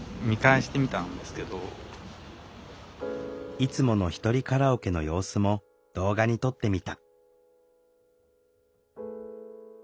いつものひとりカラオケの様子も動画に撮ってみた。